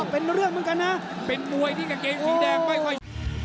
เป็นมวยที่กับเกรงชีวิตแดงไม่ค่อย